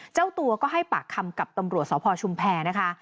เจ้าตัวก็ให้ปากคำกับตำรวจสพชุมแพรนะคะ